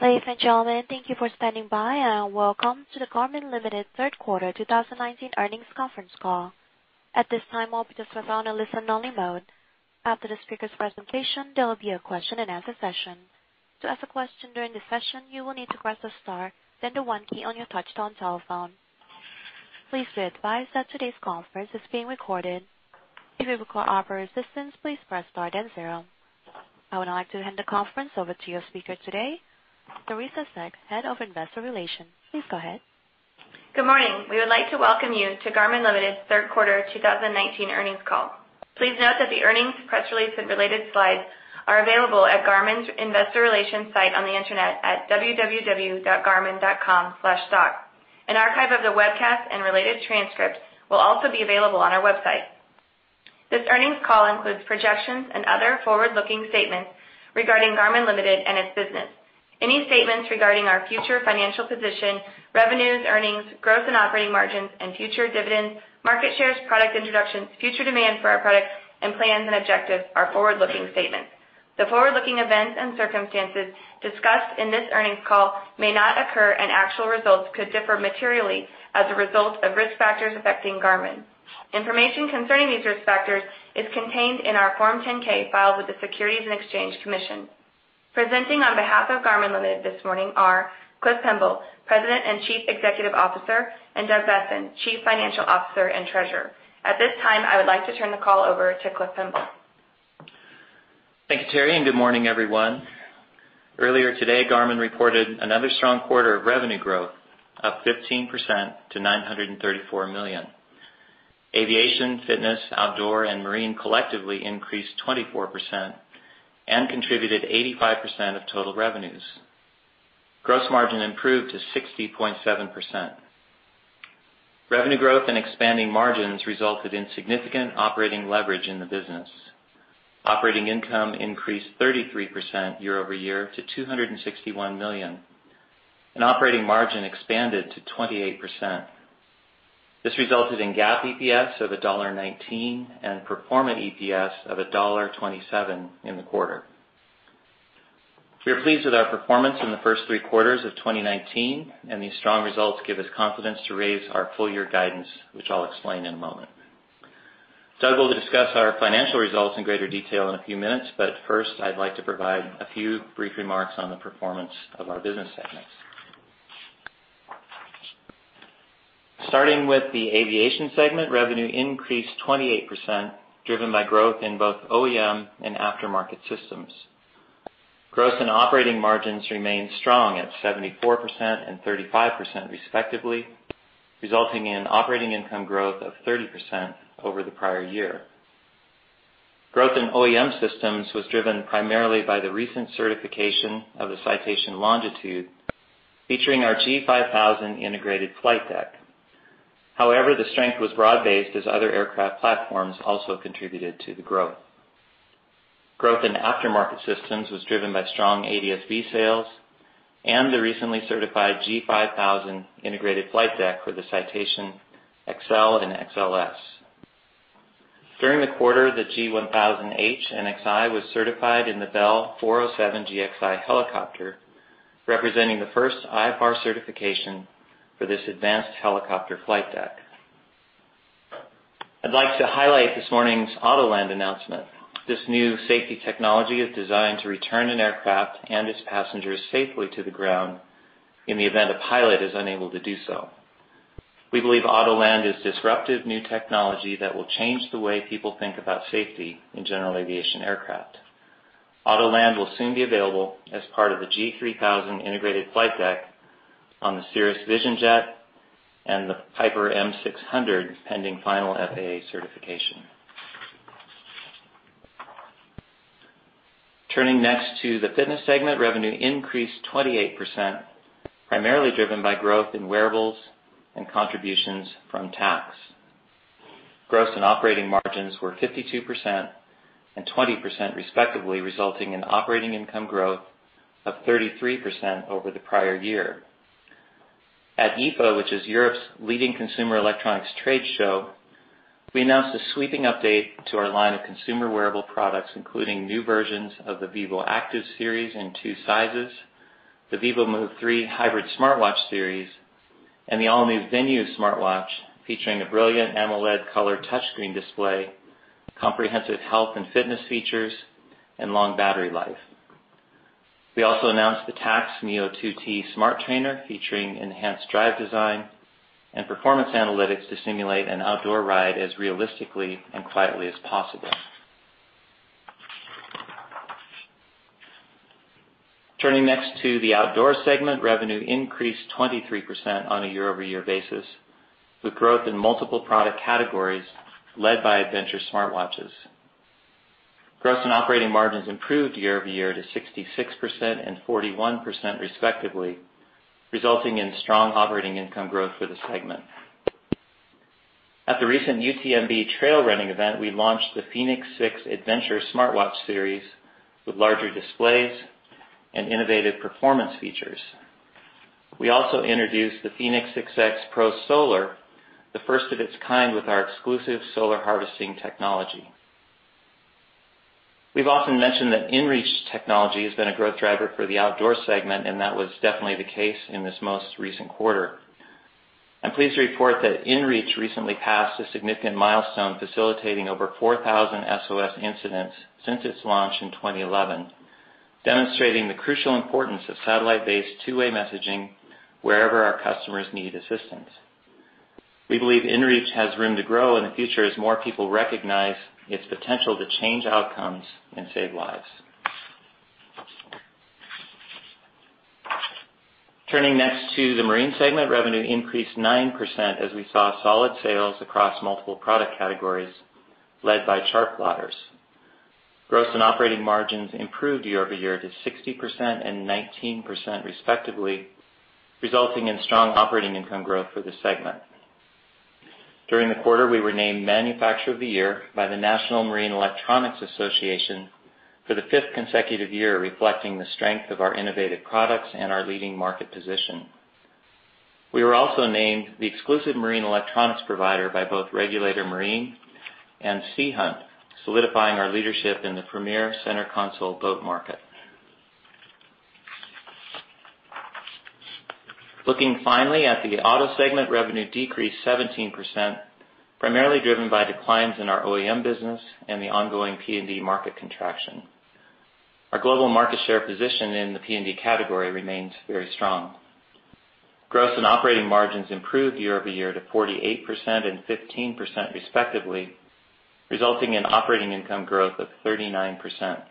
Ladies and gentlemen, thank you for standing by, and welcome to the Garmin Ltd. Third Quarter 2019 Earnings Conference Call. At this time, all participants are on a listen-only mode. After the speakers' presentation, there will be a question-and-answer session. To ask a question during the session, you will need to press the star, then the one key on your touchtone telephone. Please be advised that today's conference is being recorded. If you require operator assistance, please press star then zero. I would like to hand the conference over to your speaker today, Teri Seck, Head of Investor Relations. Please go ahead. Good morning. We would like to welcome you to Garmin Ltd. Third Quarter 2019 Earnings Call. Please note that the earnings press release and related slides are available at Garmin's investor relations site on the internet at www.garmin.com/stock. An archive of the webcast and related transcripts will also be available on our website. This earnings call includes projections and other forward-looking statements regarding Garmin Ltd. and its business. Any statements regarding our future financial position, revenues, earnings, growth in operating margins and future dividends, market shares, product introductions, future demand for our products, and plans and objectives are forward-looking statements. The forward-looking events and circumstances discussed in this earnings call may not occur, and actual results could differ materially as a result of risk factors affecting Garmin. Information concerning these risk factors is contained in our Form 10-K filed with the Securities and Exchange Commission. Presenting on behalf of Garmin Ltd. this morning are Clifton Pemble, President and Chief Executive Officer, and Doug Boessen, Chief Financial Officer and Treasurer. At this time, I would like to turn the call over to Clifton Pemble. Thank you, Teri, and good morning, everyone. Earlier today, Garmin reported another strong quarter of revenue growth, up 15% to $934 million. Aviation, Fitness, Outdoor and Marine collectively increased 20% and contributed 85% of total revenues. Gross margin improved to 60.7%. Revenue growth and expanding margins resulted in significant operating leverage in the business. Operating income increased 33% year-over-year to $261 million, and operating margin expanded to 28%. This resulted in GAAP EPS of $1.19 and pro forma EPS of $1.27 in the quarter. We are pleased with our performance in the first three quarters of 2019. These strong results give us confidence to raise our full year guidance, which I'll explain in a moment. Doug will discuss our financial results in greater detail in a few minutes. First, I'd like to provide a few brief remarks on the performance of our business segments. Starting with the Aviation segment, revenue increased 28%, driven by growth in both OEM and aftermarket systems. Gross and operating margins remained strong at 74% and 35%, respectively, resulting in operating income growth of 30% over the prior year. Growth in OEM systems was driven primarily by the recent certification of the Citation Longitude, featuring our G5000 integrated flight deck. The strength was broad-based as other aircraft platforms also contributed to the growth. Growth in aftermarket systems was driven by strong ADS-B sales and the recently certified G5000 integrated flight deck for the Citation Excel and XLS. During the quarter, the G1000H NXi was certified in the Bell 407GXi helicopter, representing the first IFR certification for this advanced helicopter flight deck. I'd like to highlight this morning's Autoland announcement. This new safety technology is designed to return an aircraft and its passengers safely to the ground in the event a pilot is unable to do so. We believe Autoland is disruptive new technology that will change the way people think about safety in general aviation aircraft. Autoland will soon be available as part of the G3000 integrated flight deck on the Cirrus Vision Jet and the Piper M600, pending final FAA certification. Turning next to the Fitness segment, revenue increased 28%, primarily driven by growth in wearables and contributions from Tacx. Gross and operating margins were 52% and 20% respectively, resulting in operating income growth of 33% over the prior year. At IFA, which is Europe's leading consumer electronics trade show, we announced a sweeping update to our line of consumer wearable products, including new versions of the vívoactive series in two sizes, the vívomove 3 hybrid smartwatch series, and the all-new Venu smartwatch, featuring a brilliant AMOLED color touchscreen display, comprehensive health and fitness features, and long battery life. We also announced the Tacx NEO 2T smart trainer, featuring enhanced drive design and performance analytics to simulate an outdoor ride as realistically and quietly as possible. Turning next to the Outdoor segment, revenue increased 23% on a year-over-year basis, with growth in multiple product categories led by adventure smartwatches. Gross and operating margins improved year-over-year to 66% and 41% respectively, resulting in strong operating income growth for the segment. At the recent UTMB trail running event, we launched the fēnix 6 Adventure smartwatch series with larger displays and innovative performance features. We also introduced the fēnix 6X Pro Solar, the first of its kind with our exclusive solar harvesting technology. We've often mentioned that inReach technology has been a growth driver for the outdoor segment, and that was definitely the case in this most recent quarter. I'm pleased to report that inReach recently passed a significant milestone, facilitating over 4,000 SOS incidents since its launch in 2011, demonstrating the crucial importance of satellite-based two-way messaging wherever our customers need assistance. We believe inReach has room to grow in the future as more people recognize its potential to change outcomes and save lives. Turning next to the marine segment, revenue increased 9% as we saw solid sales across multiple product categories led by chartplotters. Gross and operating margins improved year-over-year to 60% and 19% respectively, resulting in strong operating income growth for the segment. During the quarter, we were named Manufacturer of the Year by the National Marine Electronics Association for the fifth consecutive year, reflecting the strength of our innovative products and our leading market position. We were also named the exclusive marine electronics provider by both Regulator Marine and Sea Hunt, solidifying our leadership in the premier center console boat market. Looking finally at the auto segment, revenue decreased 17%, primarily driven by declines in our OEM business and the ongoing PND market contraction. Our global market share position in the PND category remains very strong. Gross and operating margins improved year-over-year to 48% and 15% respectively, resulting in operating income growth of 39%.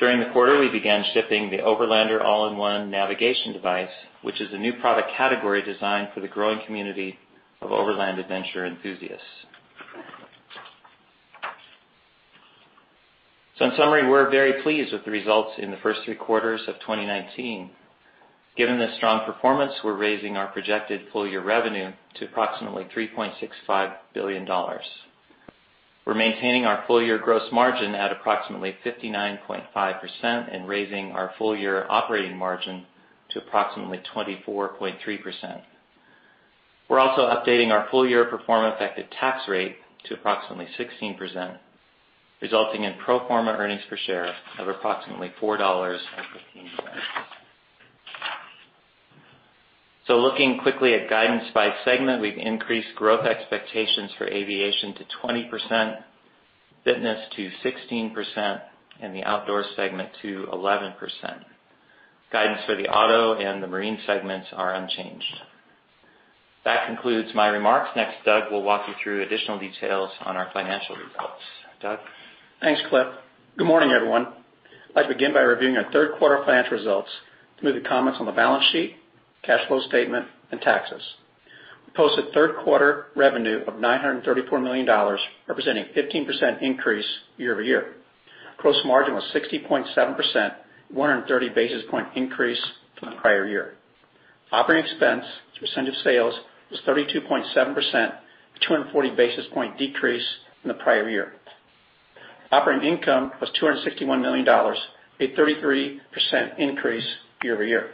During the quarter, we began shipping the Overlander all-in-one navigation device, which is a new product category designed for the growing community of overland adventure enthusiasts. In summary, we're very pleased with the results in the first 3 quarters of 2019. Given the strong performance, we're raising our projected full-year revenue to approximately $3.65 billion. We're maintaining our full-year gross margin at approximately 59.5% and raising our full-year operating margin to approximately 24.3%. We're also updating our full-year pro forma effective tax rate to approximately 16%, resulting in pro forma earnings per share of approximately $4.15. Looking quickly at guidance by segment, we've increased growth expectations for aviation to 20%, fitness to 16%, and the outdoor segment to 11%. Guidance for the auto and the marine segments are unchanged. That concludes my remarks. Next, Doug will walk you through additional details on our financial results. Doug? Thanks, Cliff. Good morning, everyone. I'd like to begin by reviewing our third quarter financial results through the comments on the balance sheet, cash flow statement, and taxes. We posted third quarter revenue of $934 million, representing 15% increase year-over-year. Gross margin was 60.7%, a 130 basis point increase from the prior year. Operating expense as a percentage of sales was 32.7%, a 240 basis point decrease from the prior year. Operating income was $261 million, a 33% increase year-over-year.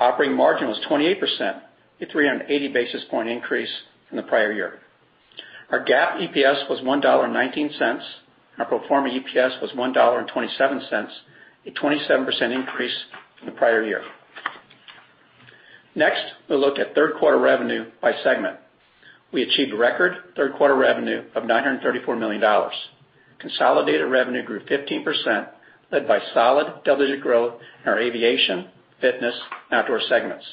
Operating margin was 28%, a 380 basis point increase from the prior year. Our GAAP EPS was $1.19, and our pro forma EPS was $1.27, a 27% increase from the prior year. Next, we'll look at third quarter revenue by segment. We achieved record third quarter revenue of $934 million. Consolidated revenue grew 15%, led by solid double-digit growth in our aviation, fitness, and outdoor segments.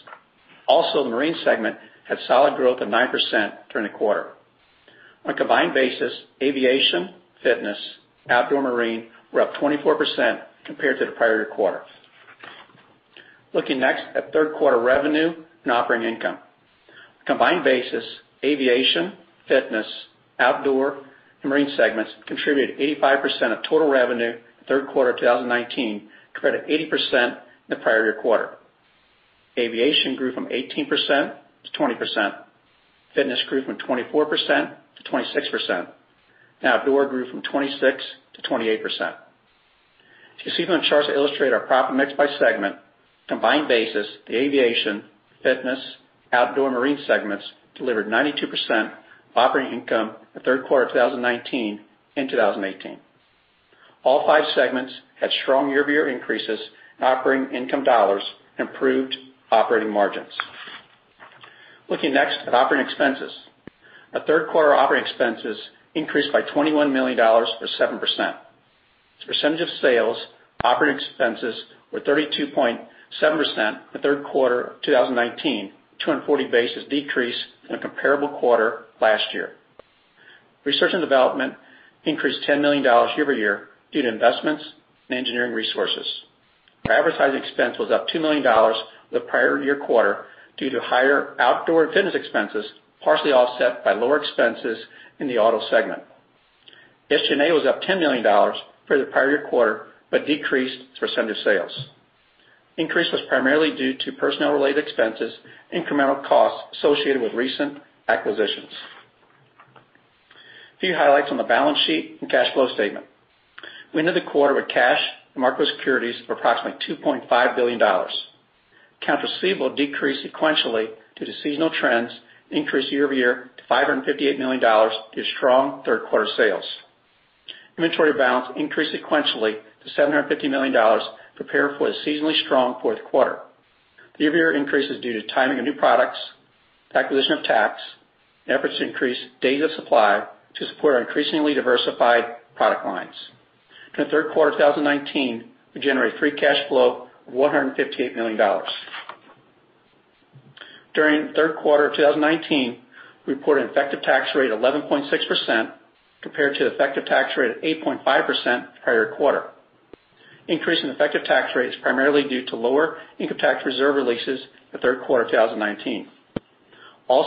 The Marine segment had solid growth of 9% during the quarter. On a combined basis, Aviation, Fitness, Outdoor, Marine were up 24% compared to the prior year quarter. Looking next at third quarter revenue and operating income. Combined basis, Aviation, Fitness, Outdoor, and Marine segments contributed 85% of total revenue in the third quarter of 2019, compared to 80% in the prior year quarter. Aviation grew from 18% to 20%. Fitness grew from 24% to 26%. Outdoor grew from 26% to 28%. As you can see from the charts that illustrate our proper mix by segment, combined basis, the Aviation, Fitness, Outdoor, Marine segments delivered 92% of operating income in the third quarter of 2019 and 2018. All five segments had strong year-over-year increases in operating income dollars and improved operating margins. Looking next at operating expenses. Our third quarter operating expenses increased by $21 million or 7%. As a percentage of sales, operating expenses were 32.7% in the third quarter of 2019, a 240 basis decrease from the comparable quarter last year. Research and development increased $10 million year-over-year due to investments in engineering resources. Our advertising expense was up $2 million from the prior-year quarter due to higher outdoor and fitness expenses, partially offset by lower expenses in the auto segment. SG&A was up $10 million for the prior-year quarter, but decreased as a percentage of sales. The increase was primarily due to personnel-related expenses, incremental costs associated with recent acquisitions. Few highlights on the balance sheet and cash flow statement. We ended the quarter with cash and market securities of approximately $2.5 billion. Accounts receivable decreased sequentially due to seasonal trends, increased year-over-year to $558 million due to strong third quarter sales. Inventory balance increased sequentially to $750 million, prepared for a seasonally strong fourth quarter. Year-over-year increase is due to timing of new products, acquisition of Tacx, and efforts to increase days of supply to support our increasingly diversified product lines. In the third quarter of 2019, we generated free cash flow of $158 million. During the third quarter of 2019, we reported an effective tax rate of 11.6%, compared to effective tax rate of 8.5% the prior quarter. Increase in effective tax rate is primarily due to lower income tax reserve releases the third quarter 2019.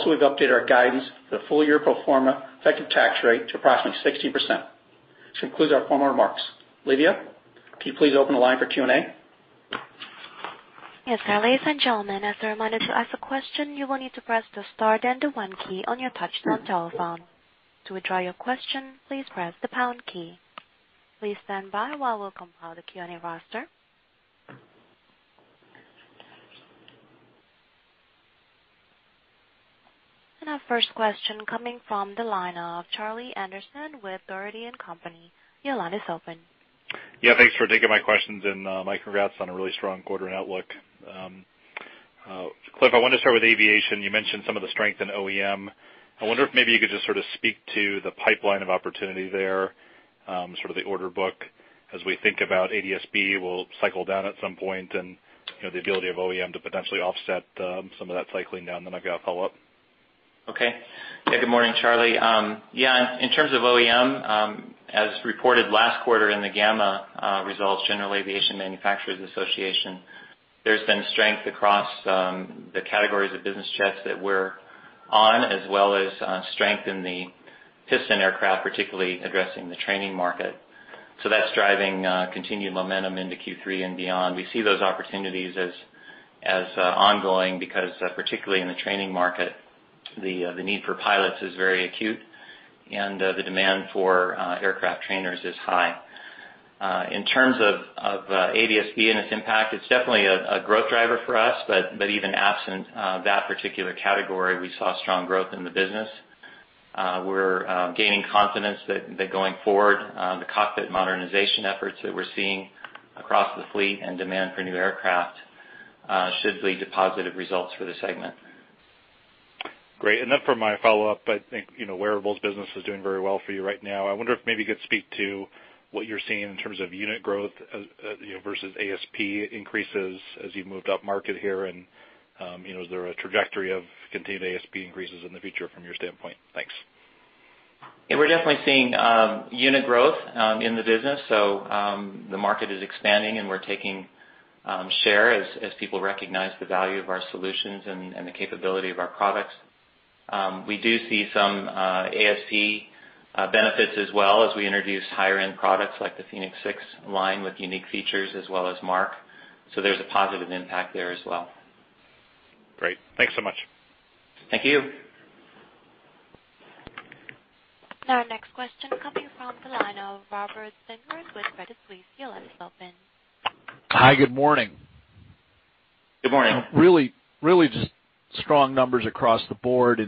We've updated our guidance for the full year pro forma effective tax rate to approximately 16%. This concludes our formal remarks. Olivia, can you please open the line for Q&A? Yes. Ladies and gentlemen, as a reminder, to ask a question, you will need to press the star then the one key on your touchtone telephone. To withdraw your question, please press the pound key. Please stand by while we compile the Q&A roster. Our first question coming from the line of Charlie Anderson with Dougherty & Company. Your line is open. Yeah, thanks for taking my questions, and my congrats on a really strong quarter and outlook. Cliff, I wanted to start with aviation. You mentioned some of the strength in OEM. I wonder if maybe you could just sort of speak to the pipeline of opportunity there, sort of the order book as we think about ADS-B will cycle down at some point and the ability of OEM to potentially offset some of that cycling down, then I've got a follow-up. Okay. Good morning, Charlie. In terms of OEM, as reported last quarter in the GAMA results, General Aviation Manufacturers Association, there's been strength across the categories of business jets that we're on, as well as strength in the piston aircraft, particularly addressing the training market. That's driving continued momentum into Q3 and beyond. We see those opportunities as ongoing because, particularly in the training market, the need for pilots is very acute, and the demand for aircraft trainers is high. In terms of ADS-B and its impact, it's definitely a growth driver for us, even absent that particular category, we saw strong growth in the business. We're gaining confidence that going forward, the cockpit modernization efforts that we're seeing across the fleet and demand for new aircraft should lead to positive results for the segment. Great. Then for my follow-up, I think wearables business is doing very well for you right now. I wonder if maybe you could speak to what you're seeing in terms of unit growth versus ASP increases as you've moved up market here and is there a trajectory of continued ASP increases in the future from your standpoint? Thanks. Yeah, we're definitely seeing unit growth in the business, so the market is expanding, and we're taking share as people recognize the value of our solutions and the capability of our products. We do see some ASP benefits as well as we introduce higher-end products like the fēnix 6 line with unique features as well as MARQ. There's a positive impact there as well. Great. Thanks so much. Thank you. Our next question coming from the line of Robert Spingarn with Credit Suisse. Your line is open. Hi, good morning. Good morning. Really just strong numbers across the board,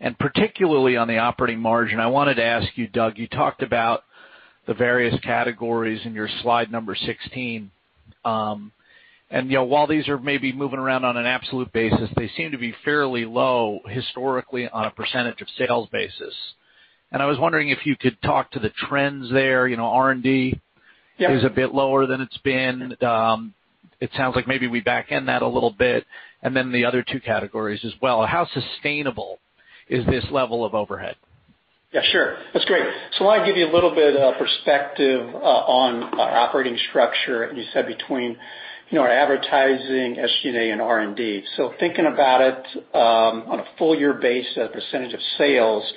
and particularly on the operating margin. I wanted to ask you, Doug, you talked about the various categories in your slide number 16. While these are maybe moving around on an absolute basis, they seem to be fairly low historically on a % of sales basis. I was wondering if you could talk to the trends there, R&D. Yeah is a bit lower than it's been. It sounds like maybe we back end that a little bit, then the other two categories as well. How sustainable is this level of overhead? Yeah, sure. That's great. I want to give you a little bit of perspective on our operating structure, as you said, between our advertising, SG&A, and R&D. Thinking about it on a full year basis, % of sales,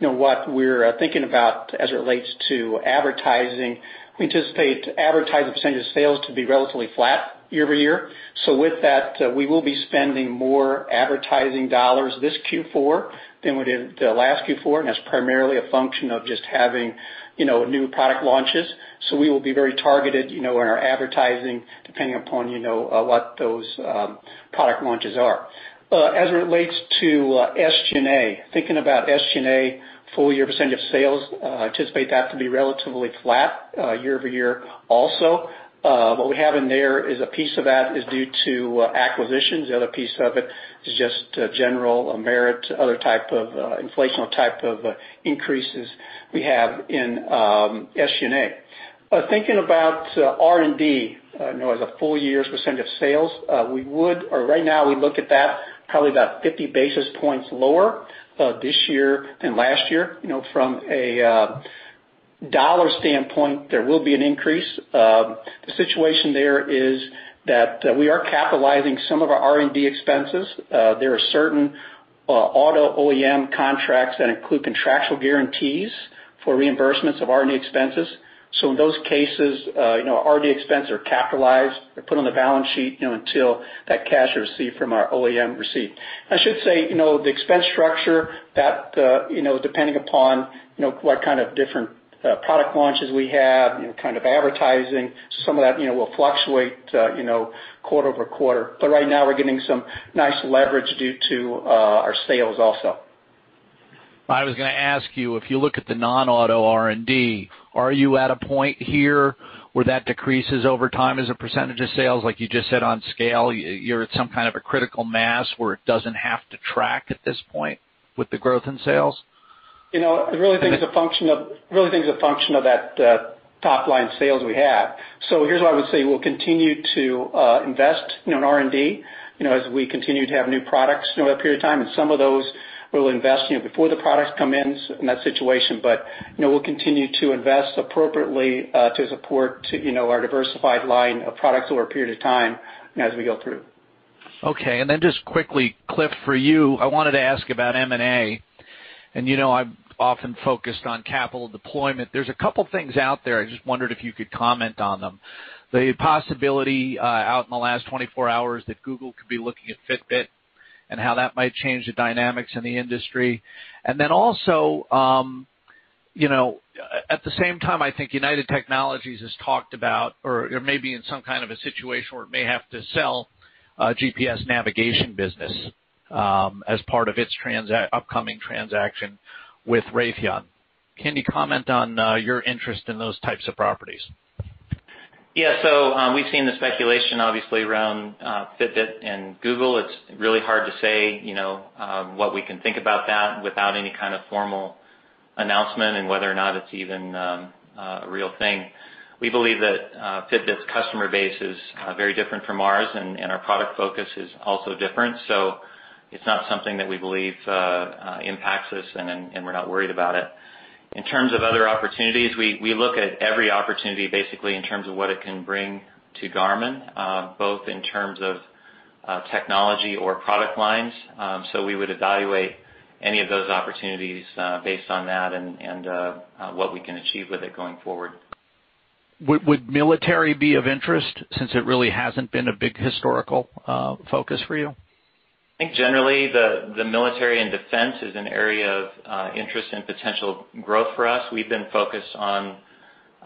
what we're thinking about as it relates to advertising, we anticipate advertising % of sales to be relatively flat year-over-year. With that, we will be spending more advertising dollars this Q4 than we did the last Q4, and that's primarily a function of just having new product launches. We will be very targeted in our advertising depending upon what those product launches are. As it relates to SG&A, thinking about SG&A full year % of sales, anticipate that to be relatively flat year-over-year also. What we have in there is a piece of that is due to acquisitions. The other piece of it is just general merit, other type of inflationary type of increases we have in SG&A. Thinking about R&D now as a full year's percentage of sales, right now we look at that probably about 50 basis points lower this year than last year. From a dollar standpoint, there will be an increase. The situation there is that we are capitalizing some of our R&D expenses. There are certain Auto OEM contracts that include contractual guarantees for reimbursements of R&D expenses. In those cases, R&D expense are capitalized, they're put on the balance sheet, until that cash is received from our OEM receipt. I should say, the expense structure, depending upon what kind of different product launches we have, kind of advertising, some of that will fluctuate quarter-over-quarter. Right now we're getting some nice leverage due to our sales also. I was going to ask you, if you look at the non-auto R&D, are you at a point here where that decreases over time as a percentage of sales, like you just said on scale, you're at some kind of a critical mass where it doesn't have to track at this point with the growth in sales? I really think it's a function of that top-line sales we have. Here's what I would say. We'll continue to invest in R&D as we continue to have new products over a period of time. Some of those we'll invest before the products come in that situation. We'll continue to invest appropriately to support our diversified line of products over a period of time as we go through. Okay. Then just quickly, Cliff, for you, I wanted to ask about M&A, and you know I'm often focused on capital deployment. There's a couple things out there, I just wondered if you could comment on them. The possibility out in the last 24 hours that Google could be looking at Fitbit and how that might change the dynamics in the industry. Then also, at the same time, I think United Technologies has talked about, or may be in some kind of a situation where it may have to sell GPS navigation business as part of its upcoming transaction with Raytheon. Can you comment on your interest in those types of properties? We've seen the speculation obviously around Fitbit and Google. It's really hard to say what we can think about that without any kind of formal announcement and whether or not it's even a real thing. We believe that Fitbit's customer base is very different from ours, and our product focus is also different. It's not something that we believe impacts us, and we're not worried about it. In terms of other opportunities, we look at every opportunity basically in terms of what it can bring to Garmin, both in terms of technology or product lines. We would evaluate any of those opportunities based on that and what we can achieve with it going forward. Would military be of interest since it really hasn't been a big historical focus for you? I think generally the military and defense is an area of interest and potential growth for us. We've been focused on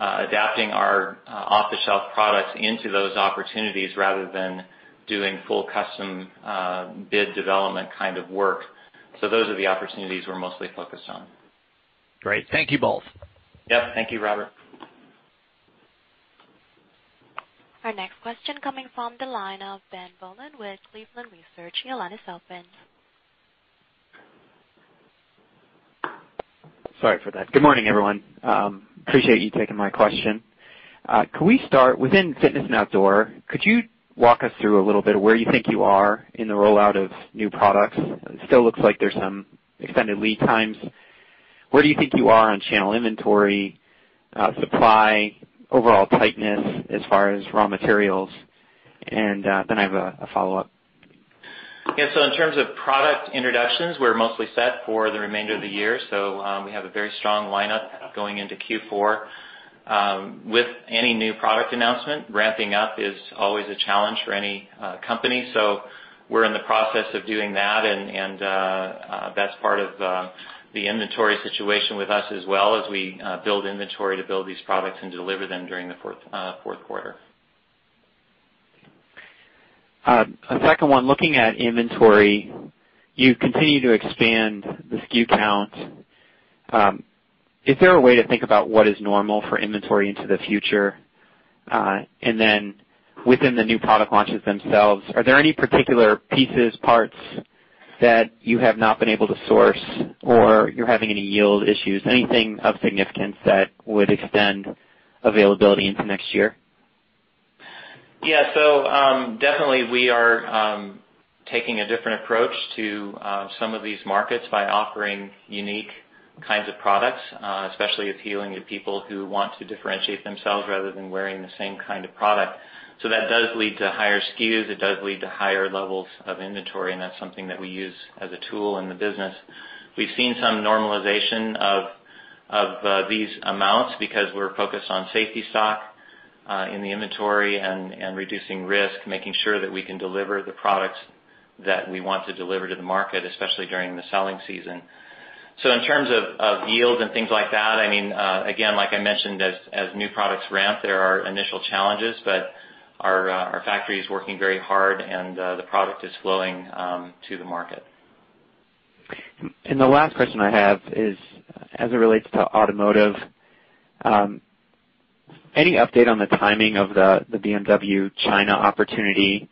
adapting our off-the-shelf products into those opportunities rather than doing full custom bid development kind of work. Those are the opportunities we're mostly focused on. Great. Thank you both. Yep. Thank you, Robert. Our next question coming from the line of Ben Bollin with Cleveland Research. Your line is open. Sorry for that. Good morning, everyone. Appreciate you taking my question. Can we start within Fitness and Outdoor, could you walk us through a little bit where you think you are in the rollout of new products? It still looks like there's some extended lead times. Where do you think you are on channel inventory, supply, overall tightness as far as raw materials? I have a follow-up. Yeah. In terms of product introductions, we're mostly set for the remainder of the year, so we have a very strong lineup going into Q4. With any new product announcement, ramping up is always a challenge for any company, so we're in the process of doing that and that's part of the inventory situation with us as well as we build inventory to build these products and deliver them during the fourth quarter. A second one, looking at inventory, you've continued to expand the SKU count. Is there a way to think about what is normal for inventory into the future? Then within the new product launches themselves, are there any particular pieces, parts that you have not been able to source or you're having any yield issues, anything of significance that would extend availability into next year? Yeah. Definitely we are taking a different approach to some of these markets by offering unique kinds of products, especially appealing to people who want to differentiate themselves rather than wearing the same kind of product. That does lead to higher SKUs, it does lead to higher levels of inventory, and that's something that we use as a tool in the business. We've seen some normalization of these amounts because we're focused on safety stock in the inventory and reducing risk, making sure that we can deliver the products that we want to deliver to the market, especially during the selling season. In terms of yields and things like that, again, like I mentioned, as new products ramp, there are initial challenges, but our factory is working very hard, and the product is flowing to the market. The last question I have is as it relates to automotive, any update on the timing of the BMW China opportunity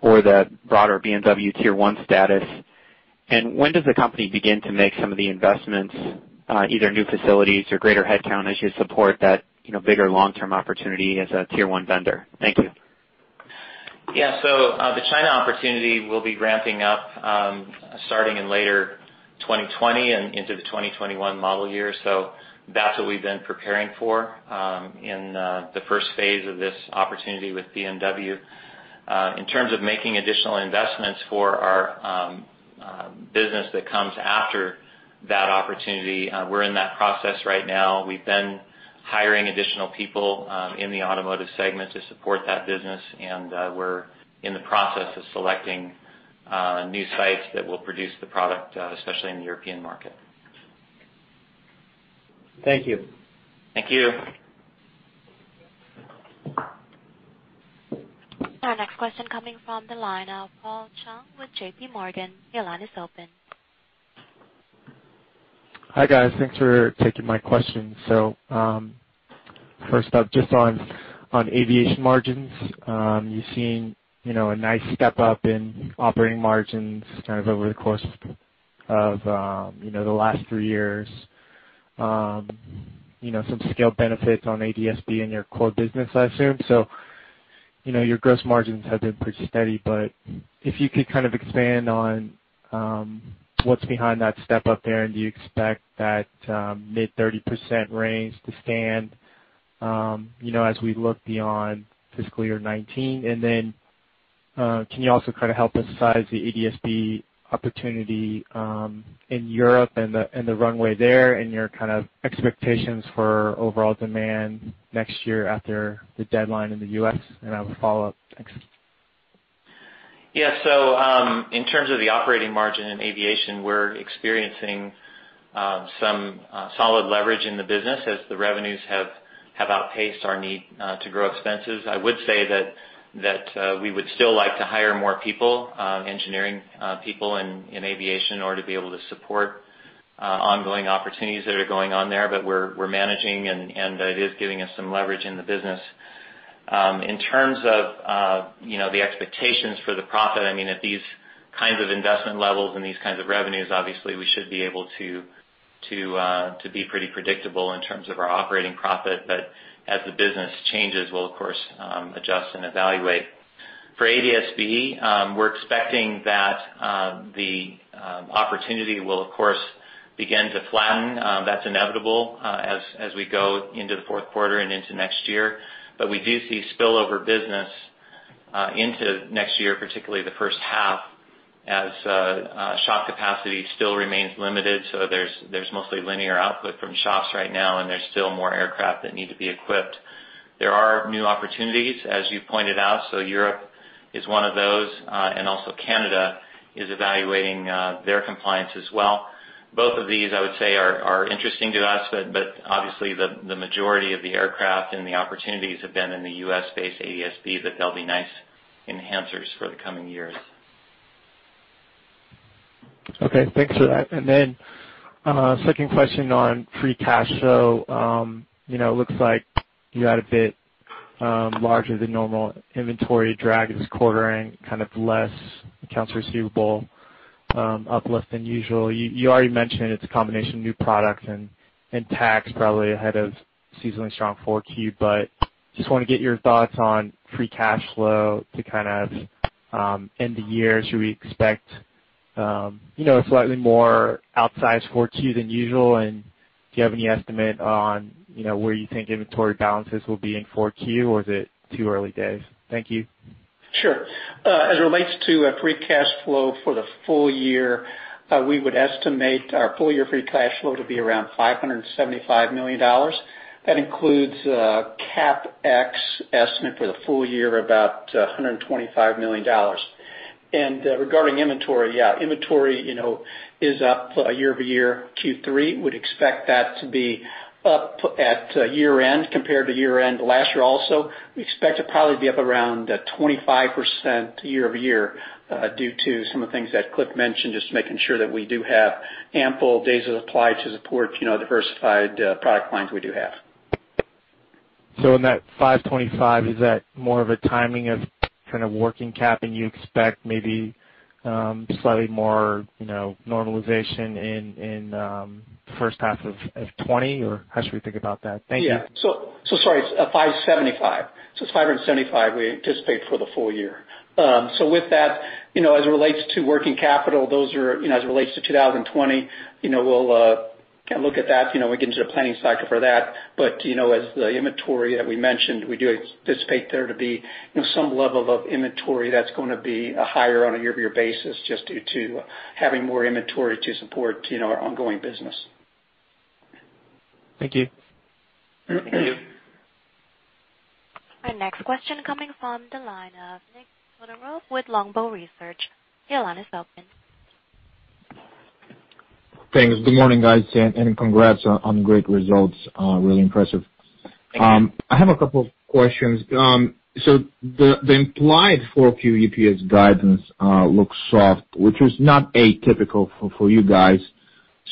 or the broader BMW tier 1 status? When does the company begin to make some of the investments, either new facilities or greater headcount as you support that bigger long-term opportunity as a tier 1 vendor? Thank you. Yeah. The China opportunity will be ramping up starting in later 2020 and into the 2021 model year. That's what we've been preparing for in the first phase of this opportunity with BMW. In terms of making additional investments for our business that comes after that opportunity, we're in that process right now. We've been hiring additional people in the automotive segment to support that business, and we're in the process of selecting new sites that will produce the product, especially in the European market. Thank you. Thank you. Our next question coming from the line of Paul Chung with JPMorgan. Your line is open. Hi, guys. Thanks for taking my question. First up, just on aviation margins. You've seen a nice step up in operating margins kind of over the course of the last three years. Some scale benefits on ADS-B and your core business, I assume. Your gross margins have been pretty steady, but if you could kind of expand on what's behind that step up there, and do you expect that mid 30% range to stand as we look beyond fiscal year 2019? Can you also kind of help us size the ADS-B opportunity in Europe and the runway there and your kind of expectations for overall demand next year after the deadline in the U.S.? I have a follow-up. Thanks. Yeah. In terms of the operating margin in aviation, we're experiencing some solid leverage in the business as the revenues have outpaced our need to grow expenses. I would say that we would still like to hire more people, engineering people in aviation, in order to be able to support ongoing opportunities that are going on there. We're managing, and it is giving us some leverage in the business. In terms of the expectations for the profit, I mean, at these kinds of investment levels and these kinds of revenues, obviously, we should be able to be pretty predictable in terms of our operating profit. As the business changes, we'll of course, adjust and evaluate. For ADS-B, we're expecting that the opportunity will, of course, begin to flatten. That's inevitable as we go into the fourth quarter and into next year. We do see spillover business into next year, particularly the first half, as shop capacity still remains limited. There's mostly linear output from shops right now, and there's still more aircraft that need to be equipped. There are new opportunities, as you pointed out. Europe is one of those, and also Canada is evaluating their compliance as well. Both of these, I would say, are interesting to us, but obviously, the majority of the aircraft and the opportunities have been in the U.S.-based ADS-B, but they'll be nice enhancers for the coming years. Thanks for that. Second question on free cash flow. It looks like you had a bit larger than normal inventory drag this quarter and kind of less accounts receivable, up less than usual. You already mentioned it's a combination of new products and Tacx probably ahead of seasonally strong 4Q. Just want to get your thoughts on free cash flow to kind of end the year. Should we expect slightly more outsized 4Q than usual? Do you have any estimate on where you think inventory balances will be in 4Q, or is it too early days? Thank you. Sure. As it relates to free cash flow for the full year, we would estimate our full year free cash flow to be around $575 million. That includes CapEx estimate for the full year, about $125 million. Regarding inventory, yeah, inventory is up year-over-year Q3. Would expect that to be up at year-end compared to year-end last year also. We expect to probably be up around 25% year-over-year, due to some of the things that Cliff mentioned, just making sure that we do have ample days of supply to support diversified product lines we do have. In that 525, is that more of a timing of kind of working cap, and you expect maybe slightly more normalization in the first half of 2020, or how should we think about that? Thank you. Sorry, it's $575. It's $575 we anticipate for the full year. With that, as it relates to working capital, as it relates to 2020, we'll kind of look at that, we get into the planning cycle for that. As the inventory that we mentioned, we do anticipate there to be some level of inventory that's going to be higher on a year-over-year basis just due to having more inventory to support our ongoing business. Thank you. Thank you. Our next question coming from the line of Nikolay Todorov with Longbow Research. Your line is open. Thanks. Good morning, guys, and congrats on great results. Really impressive. Thank you. I have a couple of questions. The implied 4Q EPS guidance looks soft, which is not atypical for you guys.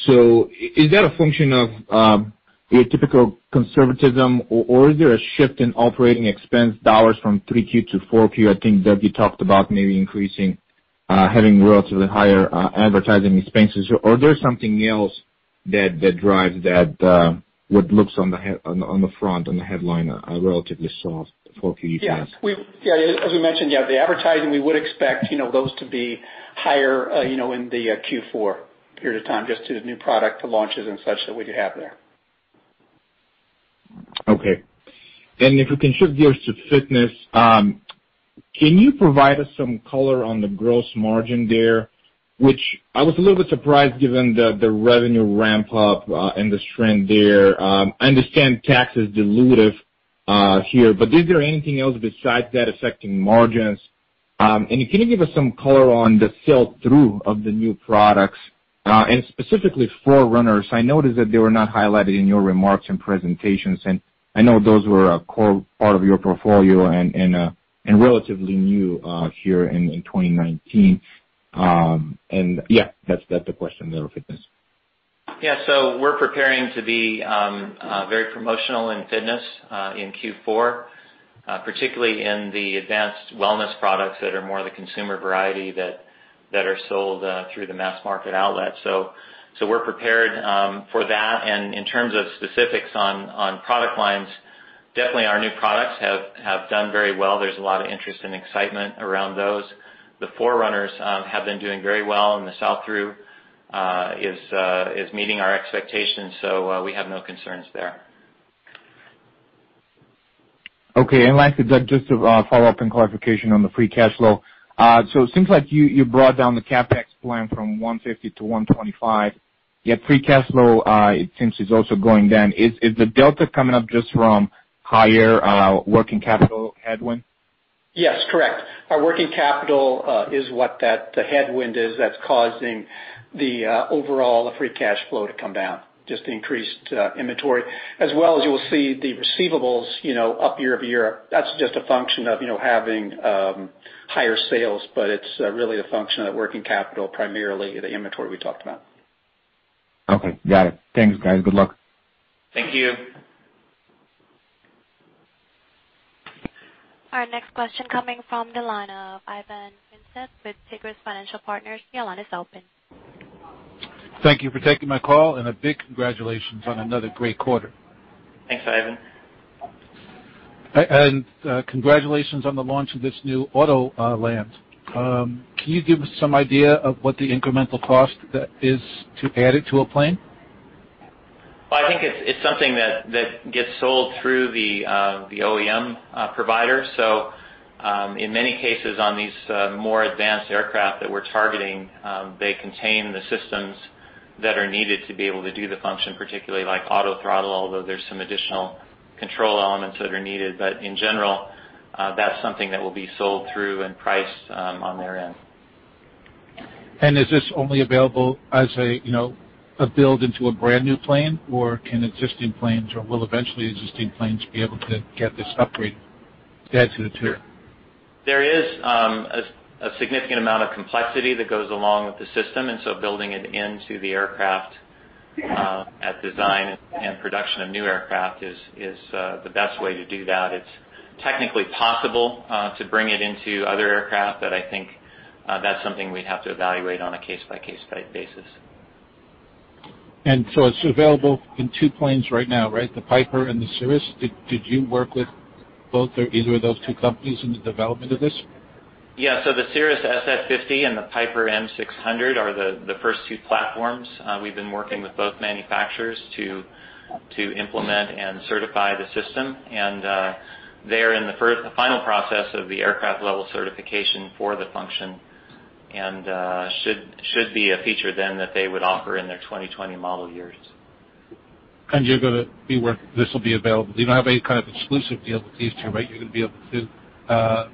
Is that a function of your typical conservatism, or is there a shift in operating expense dollars from 3Q to 4Q? I think Doug talked about maybe having relatively higher advertising expenses, or there's something else that drives what looks on the front, on the headline, a relatively soft 4Q performance. Yeah. As we mentioned, the advertising, we would expect those to be higher in the Q4 period of time, just to the new product launches and such that we have there. Okay. If we can shift gears to fitness, can you provide us some color on the gross margin there, which I was a little bit surprised given the revenue ramp-up and the trend there. I understand Tacx is dilutive here, is there anything else besides that affecting margins? Can you give us some color on the sell-through of the new products, and specifically for runners? I noticed that they were not highlighted in your remarks and presentations, and I know those were a core part of your portfolio and relatively new here in 2019. Yeah, that's the question there, on fitness. Yeah. We're preparing to be very promotional in fitness in Q4, particularly in the advanced wellness products that are more the consumer variety that are sold through the mass market outlet. We're prepared for that. In terms of specifics on product lines, definitely our new products have done very well. There's a lot of interest and excitement around those. The Forerunners have been doing very well, and the sell-through is meeting our expectations, so we have no concerns there. Okay. Lastly, Doug, just a follow-up and clarification on the free cash flow. It seems like you brought down the CapEx plan from $150 to $125, yet free cash flow, it seems, is also going down. Is the delta coming up just from higher working capital headwind? Yes, correct. Our working capital is what that headwind is that's causing the overall free cash flow to come down. Just the increased inventory. As well as you will see the receivables up year-over-year. That's just a function of having higher sales, but it's really the function of that working capital, primarily the inventory we talked about. Okay, got it. Thanks, guys. Good luck. Thank you. Our next question coming from the line of Ivan Feinseth with Tigress Financial Partners. Your line is open. Thank you for taking my call. A big congratulations on another great quarter. Thanks, Ivan. Congratulations on the launch of this new Autoland. Can you give us some idea of what the incremental cost is to add it to a plane? Well, I think it's something that gets sold through the OEM provider. In many cases on these more advanced aircraft that we're targeting, they contain the systems that are needed to be able to do the function, particularly like auto throttle, although there's some additional control elements that are needed. In general, that's something that will be sold through and priced on their end. Is this only available as a build into a brand new plane, or can existing planes, or will eventually existing planes be able to get this upgrade added to it too? There is a significant amount of complexity that goes along with the system, building it into the aircraft at design and production of new aircraft is the best way to do that. It's technically possible to bring it into other aircraft, I think that's something we'd have to evaluate on a case-by-case basis. It's available in two planes right now, right? The Piper and the Cirrus. Did you work with both or either of those two companies in the development of this? The Cirrus SF50 and the Piper M600 are the first two platforms. We've been working with both manufacturers to implement and certify the system. They're in the final process of the aircraft level certification for the function, should be a feature that they would offer in their 2020 model years. You're going to be where this will be available. You don't have any kind of exclusive deal with these two, right? You're going to be able to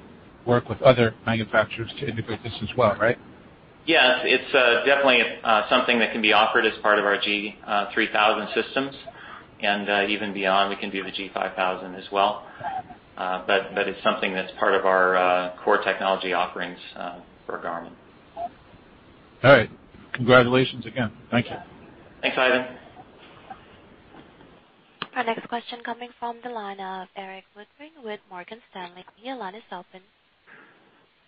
work with other manufacturers to integrate this as well, right? Yes, it's definitely something that can be offered as part of our G3000 systems. Even beyond, we can do the G5000 as well. It's something that's part of our core technology offerings for Garmin. All right. Congratulations again. Thank you. Thanks, Ivan. Our next question coming from the line of Erik Woodring with Morgan Stanley, your line is open.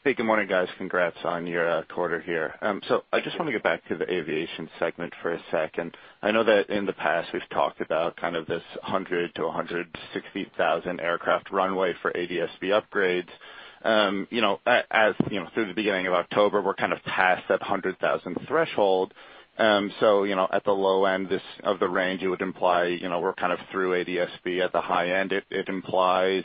Hey, good morning, guys. Congrats on your quarter here. I just want to get back to the aviation segment for a second. I know that in the past we've talked about kind of this 100,000-160,000 aircraft runway for ADS-B upgrades. Through the beginning of October, we're kind of past that 100,000 threshold. At the low end of the range, it would imply we're kind of through ADS-B. At the high end, it implies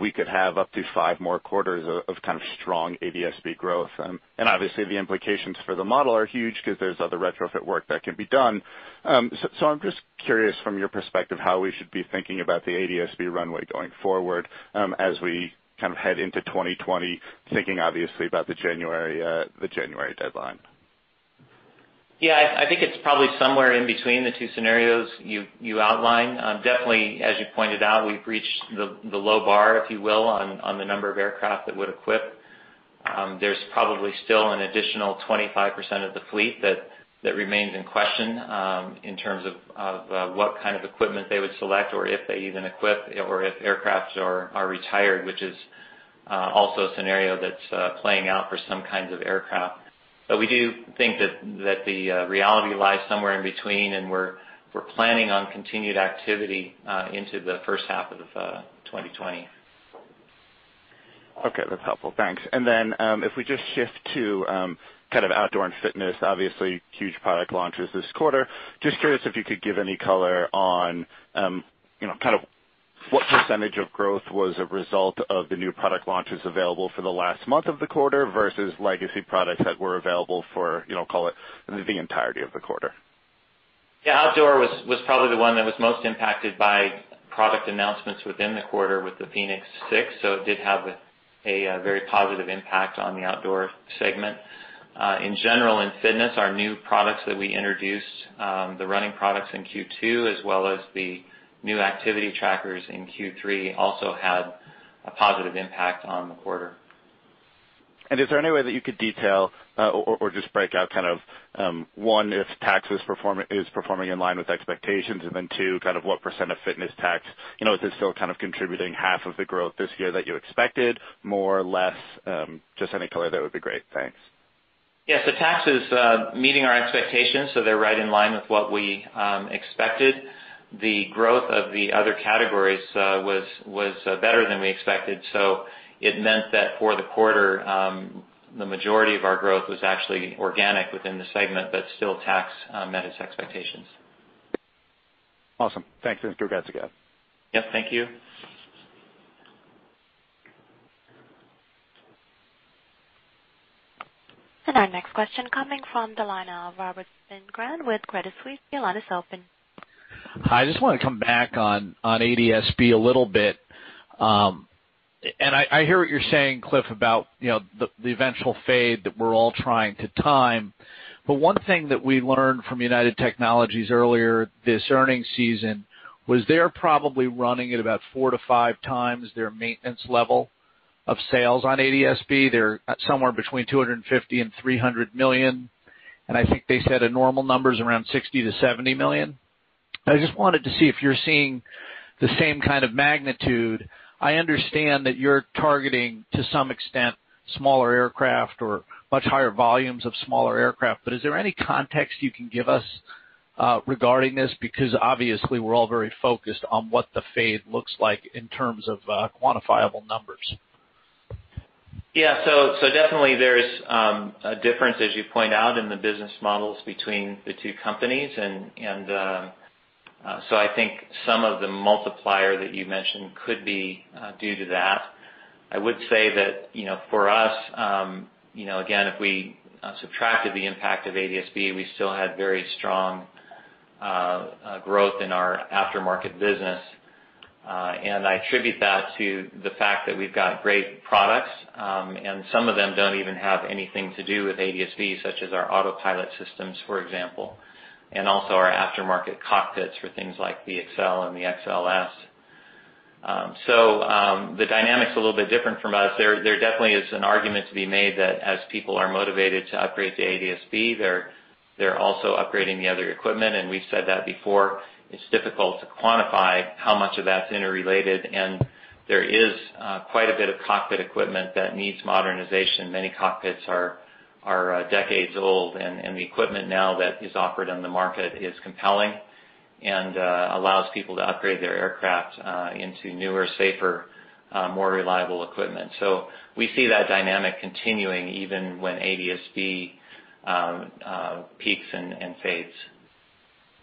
we could have up to five more quarters of kind of strong ADS-B growth. Obviously the implications for the model are huge because there's other retrofit work that can be done. I'm just curious from your perspective, how we should be thinking about the ADS-B runway going forward, as we kind of head into 2020, thinking obviously about the January deadline. Yeah. I think it's probably somewhere in between the two scenarios you outlined. Definitely, as you pointed out, we've reached the low bar, if you will, on the number of aircraft that would equip. There's probably still an additional 25% of the fleet that remains in question, in terms of what kind of equipment they would select or if they even equip, or if aircraft are retired, which is also a scenario that's playing out for some kinds of aircraft. We do think that the reality lies somewhere in between, and we're planning on continued activity into the first half of 2020. Okay, that's helpful. Thanks. If we just shift to outdoor and fitness, obviously, huge product launches this quarter. Just curious if you could give any color on what % of growth was a result of the new product launches available for the last month of the quarter versus legacy products that were available for call it the entirety of the quarter. Yeah. Outdoor was probably the one that was most impacted by product announcements within the quarter with the fēnix 6. It did have a very positive impact on the outdoor segment. In general, in fitness, our new products that we introduced, the running products in Q2 as well as the new activity trackers in Q3, also had a positive impact on the quarter. Is there any way that you could detail or just break out, 1, if Tacx is performing in line with expectations, and then 2, what percent of fitness Tacx? Is it still contributing half of the growth this year that you expected, more, or less? Just any color, that would be great. Thanks. Yes. Tacx is meeting our expectations, so they're right in line with what we expected. The growth of the other categories was better than we expected. It meant that for the quarter, the majority of our growth was actually organic within the segment. Still, Tacx met its expectations. Awesome. Thanks. Congrats again. Yep, thank you. Our next question coming from the line of Robert Spingarn with Credit Suisse. Your line is open. I just want to come back on ADS-B a little bit. I hear what you're saying, Cliff, about the eventual fade that we're all trying to time. One thing that we learned from United Technologies earlier this earning season was they're probably running at about four to five times their maintenance level of sales on ADS-B. They're at somewhere between $250 million and $300 million, and I think they said a normal number's around $60 million to $70 million. I just wanted to see if you're seeing the same kind of magnitude. I understand that you're targeting, to some extent, smaller aircraft or much higher volumes of smaller aircraft. Is there any context you can give us regarding this? Obviously, we're all very focused on what the fade looks like in terms of quantifiable numbers. Definitely, there's a difference, as you point out, in the business models between the two companies. I think some of the multiplier that you mentioned could be due to that. I would say that, for us, again, if we subtracted the impact of ADS-B, we still had very strong growth in our aftermarket business. I attribute that to the fact that we've got great products, and some of them don't even have anything to do with ADS-B, such as our autopilot systems, for example, and also our aftermarket cockpits for things like the Excel and the XLS. The dynamic's a little bit different from us. There definitely is an argument to be made that as people are motivated to upgrade to ADS-B, they're also upgrading the other equipment, and we've said that before. It's difficult to quantify how much of that's interrelated. There is quite a bit of cockpit equipment that needs modernization. Many cockpits are decades old. The equipment now that is offered on the market is compelling and allows people to upgrade their aircraft into newer, safer, more reliable equipment. We see that dynamic continuing even when ADS-B peaks and fades.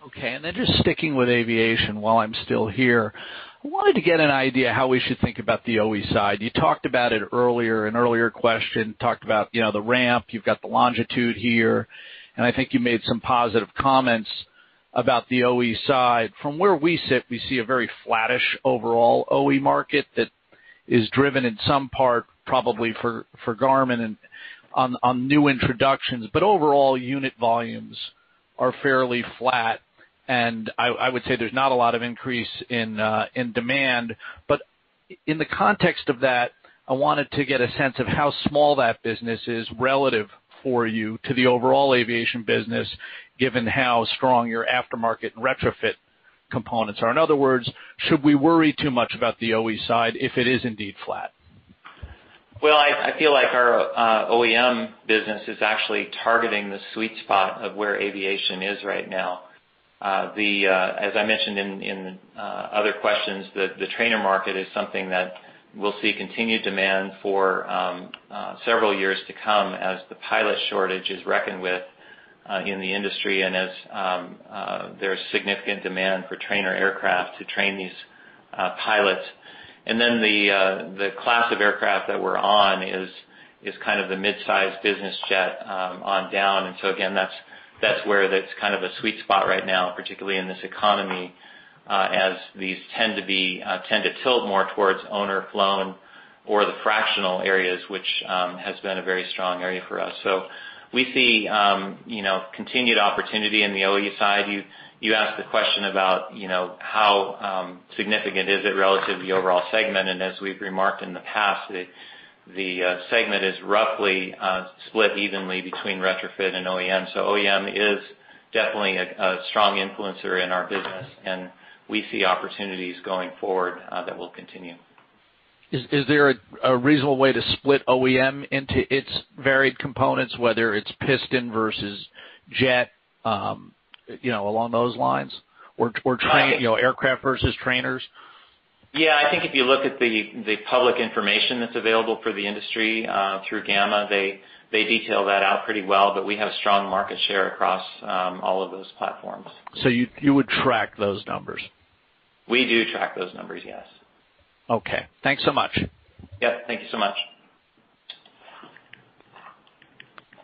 Okay. Just sticking with aviation while I'm still here, I wanted to get an idea how we should think about the OE side. You talked about it earlier, an earlier question talked about the ramp. You've got the Longitude here, and I think you made some positive comments about the OE side. From where we sit, we see a very flattish overall OE market that is driven in some part, probably for Garmin, on new introductions. Overall, unit volumes are fairly flat, and I would say there's not a lot of increase in demand. In the context of that, I wanted to get a sense of how small that business is relative for you to the overall aviation business, given how strong your aftermarket and retrofit components are. In other words, should we worry too much about the OE side if it is indeed flat? Well, I feel like our OEM business is actually targeting the sweet spot of where aviation is right now. As I mentioned in the other questions, the trainer market is something that we'll see continued demand for several years to come as the pilot shortage is reckoned with in the industry and as there's significant demand for trainer aircraft to train these pilots. The class of aircraft that we're on is kind of the mid-size business jet on down. Again, that's where that's kind of a sweet spot right now, particularly in this economy, as these tend to tilt more towards owner-flown or the fractional areas, which has been a very strong area for us. We see continued opportunity in the OE side. You asked the question about how significant is it relative to the overall segment. As we've remarked in the past, the segment is roughly split evenly between retrofit and OEM. OEM is definitely a strong influencer in our business, and we see opportunities going forward that will continue. Is there a reasonable way to split OEM into its varied components, whether it's piston versus jet, along those lines? Aircraft versus trainers? I think if you look at the public information that's available for the industry, through GAMA, they detail that out pretty well. We have strong market share across all of those platforms. You would track those numbers? We do track those numbers, yes. Okay. Thanks so much. Yep. Thank you so much.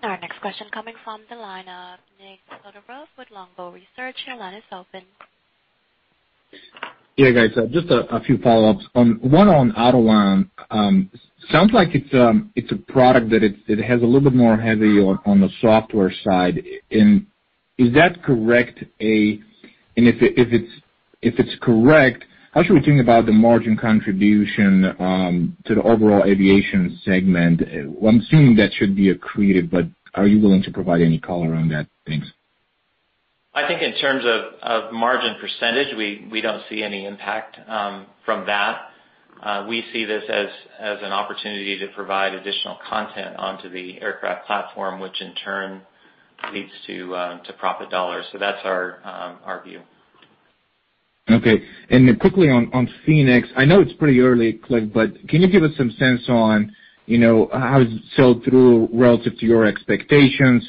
Our next question coming from the line of Nikolay Todorov with Longbow Research. Your line is open. Yeah, guys. Just a few follow-ups. One on Autoland. Sounds like it's a product that it has a little bit more heavy on the software side. Is that correct? If it's correct, how should we think about the margin contribution to the overall aviation segment? I'm assuming that should be accretive, but are you willing to provide any color on that? Thanks. I think in terms of margin %, we don't see any impact from that. We see this as an opportunity to provide additional content onto the aircraft platform, which in turn leads to profit dollars. That's our view. Okay. Quickly on fēnix, I know it's pretty early click, can you give us some sense on how sell-through relative to your expectations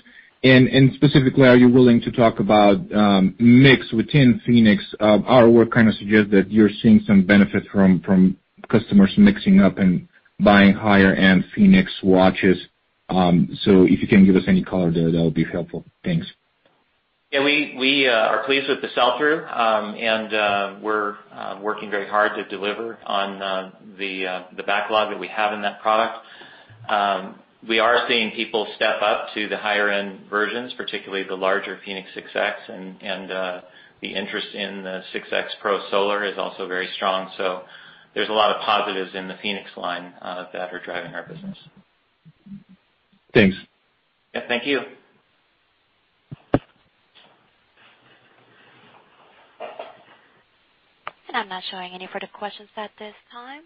and specifically, are you willing to talk about mix within fēnix? Our work kind of suggests that you're seeing some benefit from customers mixing up and buying higher-end fēnix watches. If you can give us any color there, that would be helpful. Thanks. Yeah, we are pleased with the sell-through. We're working very hard to deliver on the backlog that we have in that product. We are seeing people step up to the higher-end versions, particularly the larger fēnix 6X and the interest in the 6X Pro Solar is also very strong. There's a lot of positives in the fēnix line that are driving our business. Thanks. Yeah, thank you. I'm not showing any further questions at this time.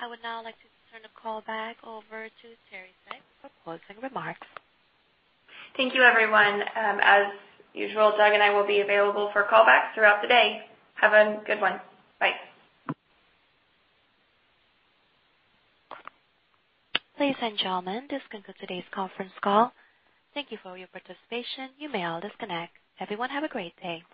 I would now like to turn the call back over to Teri Seck for closing remarks. Thank you, everyone. As usual, Doug and I will be available for callbacks throughout the day. Have a good one. Bye. Ladies and gentlemen, this concludes today's conference call. Thank you for your participation. You may all disconnect. Everyone have a great day.